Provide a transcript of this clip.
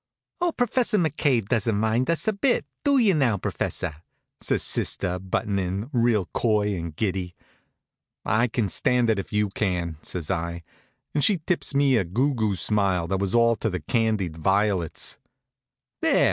"Oh, Professor McCabe doesn't mind us a bit; do you now, professor?" says sister, buttin' in, real coy and giddy. "I can stand it if you can," says I, and she tips me a goo goo smile that was all to the candied violets. "There!"